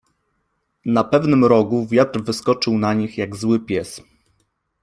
Na pewnym rogu wiatr wyskoczył na nich, jak zły pies.